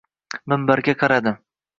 Minbarga qaradi.